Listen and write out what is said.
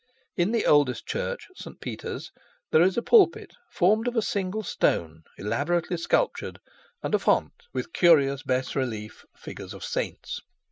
In the oldest Church, St. Peter's, there is a pulpit formed of a single stone, elaborately sculptured, and a font, with curious bas relief figures of saints.